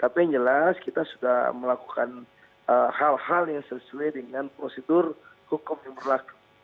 tapi yang jelas kita sudah melakukan hal hal yang sesuai dengan prosedur hukum yang berlaku